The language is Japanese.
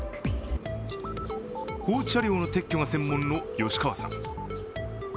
放置車両の撤去が専門の吉川さん。